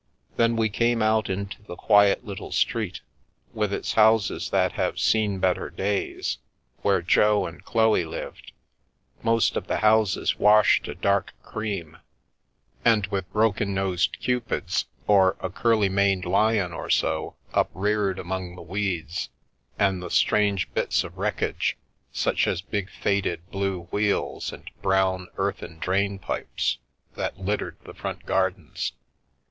Then we came out into the quiet little street, with its houses that have " seen better days," where Jo and Chloe lived — most of the houses washed a dark cream, and with broken nosed cupids or a curly maned lion or so upreared among the weeds and the strange bits of wreckage, such as big faded blue wheels and brown earthen drain pipes, that littered the front gardens.